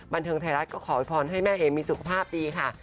บันเทิงไทยรัฐก็ขอพรให้แม่เอมีสุขภาพดีค่ะ